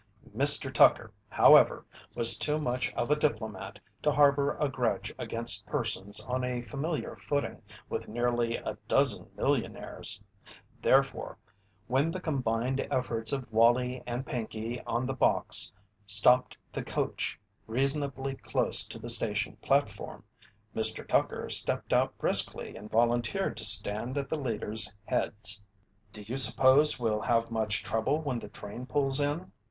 Mr. Tucker, however, was too much of a diplomat to harbour a grudge against persons on a familiar footing with nearly a dozen millionaires. Therefore, when the combined efforts of Wallie and Pinkey on the box stopped the coach reasonably close to the station platform, Mr. Tucker stepped out briskly and volunteered to stand at the leaders' heads. "Do you suppose we'll have much trouble when the train pulls in?"